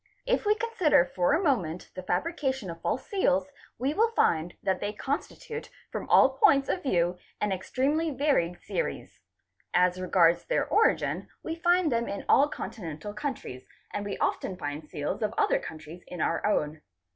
If we consider for a moment the fabrication of false seals "8, we will find that they constitute from all points of view an extremely varied series. As regards their origin we find them in all continental countries and we often find seals of other countries in our own.